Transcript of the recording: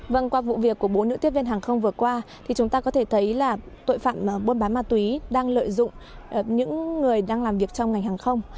vâng qua vụ việc của bốn nữ tiếp viên hàng không vừa qua thì chúng ta có thể thấy là tội phạm buôn bán ma túy đang lợi dụng những người đang làm việc trong ngành hàng không